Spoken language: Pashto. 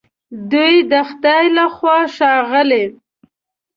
دوی د خدای له خوا ښاغلي